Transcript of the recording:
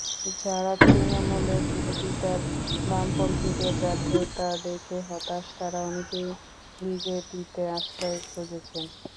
যাঁরা তৃণমূলের বিরোধিতায় বামপন্থীদের ব্যর্থতা দেখে হতাশ, তাঁরা অনেকেই বিজেপিতে আশ্রয় খুঁজেছেন।